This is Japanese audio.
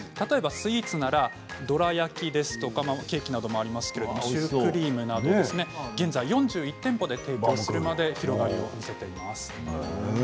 スイーツでしたら、どら焼きやケーキもありますけれどシュークリームなど現在４１店舗で提供するまで広がりを見せています。